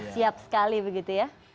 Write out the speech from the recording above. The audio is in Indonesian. siap sekali begitu ya